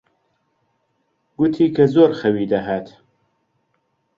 گوتی کە زۆر خەوی دەهات.